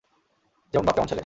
যেমন বাপ তেমন ছেলে।